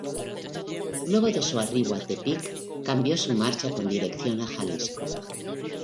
Luego de su arribo a Tepic, cambió su marcha con dirección a Jalisco.